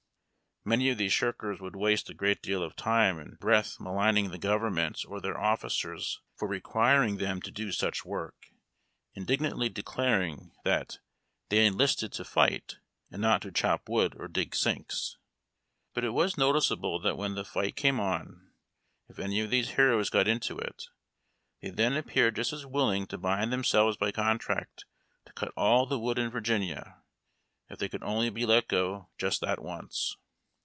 Many of these shirkers would waste a great deal of time and breath maligning the government or their officers for requiring them to do such work, indig nantly declaring that " they enlisted to fight and not to chop wood or dig sinks." But it was noticeable that when the fight came on, if any of these heroes got into it, they then appeared just as willing to bind themselves by contract to cut all the wood in Virginia, if they could only be let go just that once.